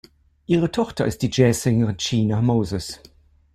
Ihre Tochter ist die Jazzsängerin China Moses.